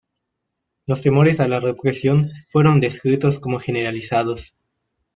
Los temores a la represión fueron descritos como generalizados.